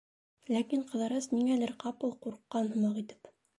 Ләкин Ҡыҙырас, ниңәлер, ҡапыл ҡурҡҡан һымаҡ итеп: